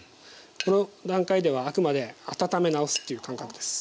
この段階ではあくまで温め直すという感覚です。